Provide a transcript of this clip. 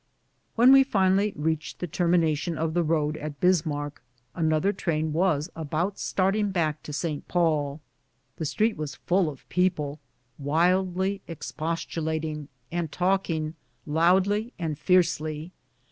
When we finally reached the termination of the road at Bismarck, another train was about starting back to St. Paul. The street was full of people, wildly expost ulating and talking loudly and fiercely.